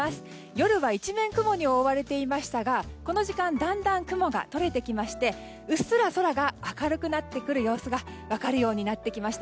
夜は一面雲に覆われていましたがこの時間だんだん雲が取れてきましてうっすら、空が明るくなってくる様子が分かるようになってきました。